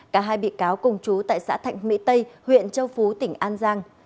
cả hai bị cáo cùng chú tại xã thạnh mỹ tây huyện châu phú tỉnh an giang